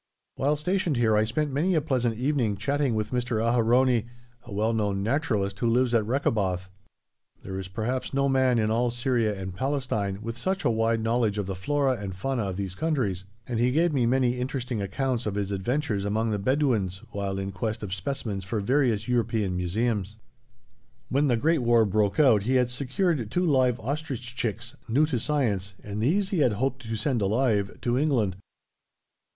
While stationed here I spent many a pleasant evening chatting with Mr. Aharoni, a well known naturalist, who lives at Rechoboth. There is perhaps no man in all Syria and Palestine with such a wide knowledge of the flora and fauna of those countries, and he gave me many interesting accounts of his adventures among the Bedouins while in quest of specimens for various European museums. When the Great War broke out he had secured two live ostrich chicks, new to science, and these he had hoped to send alive to England.